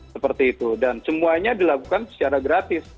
seperti itu dan semuanya dilakukan secara gratis